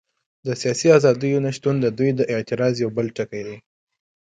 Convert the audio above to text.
د سیاسي ازادیو نه شتون د دوی د اعتراض یو بل ټکی دی.